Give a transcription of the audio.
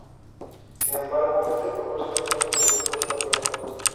Sin embargo este propósito pronto se ve puesto a prueba.